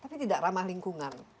tapi tidak ramah lingkungan